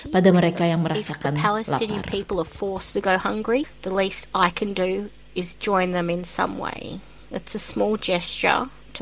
pada mereka yang merasakan